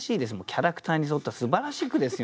キャラクターに沿ったすばらしい句ですよね。